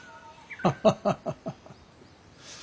ハハハハ。